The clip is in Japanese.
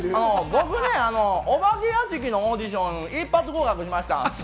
僕ね、お化け屋敷のオーディション一発合格しました。